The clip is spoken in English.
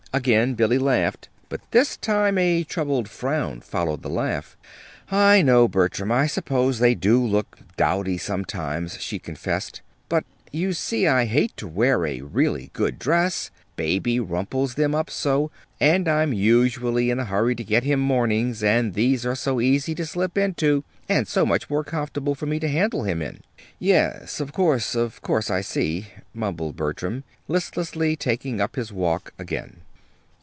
Again Billy laughed. But this time a troubled frown followed the laugh. "I know, Bertram, I suppose they do look dowdy, sometimes," she confessed; "but, you see, I hate to wear a really good dress Baby rumples them up so; and I'm usually in a hurry to get to him mornings, and these are so easy to slip into, and so much more comfortable for me to handle him in!" "Yes, of course, of course; I see," mumbled Bertram, listlessly taking up his walk again.